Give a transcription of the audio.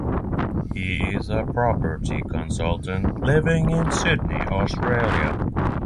He is a property consultant living in Sydney, Australia.